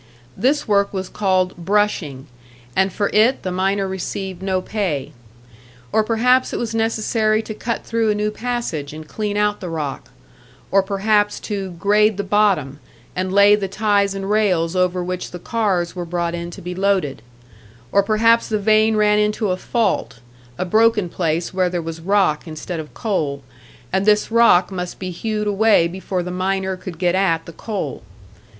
This work was called "brushing," and for it the miner received no pay. Or perhaps it was necessary to cut through a new passage, and clean out the rock; or perhaps to "grade the bottom," and lay the ties and rails over which the cars were brought in to be loaded; or perhaps the vein ran into a "fault," a broken place where there was rock instead of coal and this rock must be hewed away before the miner could get at the coal.